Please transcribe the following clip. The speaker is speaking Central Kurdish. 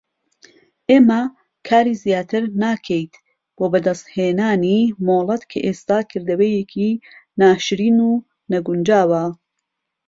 ئێمە کاری زیاتر ناکەیت بۆ بەدەستهێنانی مۆڵەت کە ئێستا کردەوەیەکی ناشرین و نەگونجاوە.